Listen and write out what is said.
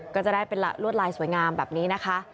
ก็จะได้เป็นลวดลายสวยงามแบบนี้นะคะ